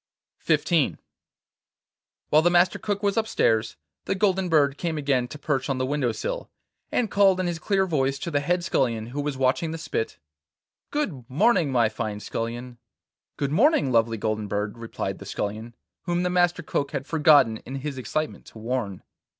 XIV While the Master Cook was upstairs, the golden bird came again to perch on the window sill, and called in his clear voice to the head scullion, who was watching the spit: 'Good morning, my fine Scullion!' 'Good morning, lovely Golden Bird,' replied the Scullion, whom the Master Cook had forgotten in his excitement to warn.